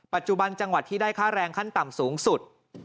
ปัจจุบันจังหวัดที่ได้ค่าแรงขั้นต่ำสูงสุด